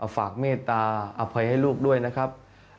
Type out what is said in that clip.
ฝากเมตตาอภัยให้ลูกด้วยนะครับ